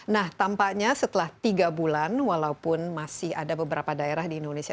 nah tampaknya setelah tiga bulan walaupun masih ada beberapa daerah di indonesia